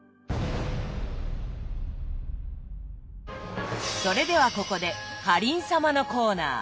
１皿目それではここでかりん様のコーナー。